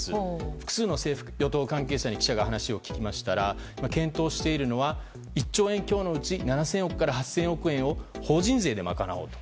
複数の政府・与党関係者に記者が話を聞きましたら検討しているのは１兆円強のうち７０００から８０００億円を法人税で賄おうと。